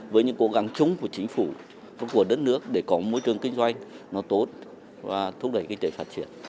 với những cố gắng chung của chính phủ của đất nước để có môi trường kinh doanh tốt và thúc đẩy kinh tế phát triển